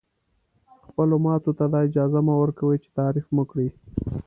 خپلو ماتو ته دا اجازه مه ورکوئ چې تعریف مو کړي.